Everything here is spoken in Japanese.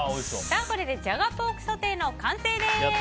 これでジャガポークソテーの完成です。